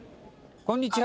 こんにちは。